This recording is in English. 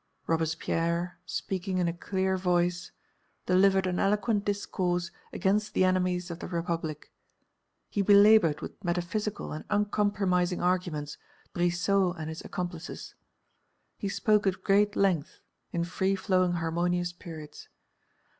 Robespierre, speaking in a clear voice, delivered an eloquent discourse against the enemies of the Republic. He belaboured with metaphysical and uncompromising arguments Brissot and his accomplices. He spoke at great length, in free flowing harmonious periods.